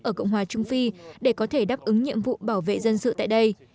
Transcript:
ở cộng hòa trung phi để có thể đáp ứng nhiệm vụ bảo vệ dân sự tại đây